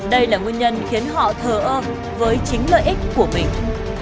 đây là nguyên nhân khiến họ thờ ơ với chính lợi ích của mình